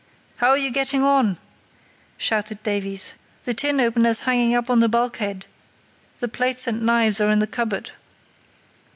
"How are you getting on?" shouted Davies; "the tin opener's hanging up on the bulkhead; the plates and knives are in the cupboard."